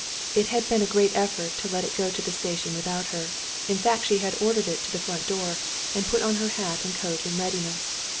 It had been a great effort to let it go to the station without her. In fact she had ordered it to the front door, and put on her hat and coat in readiness.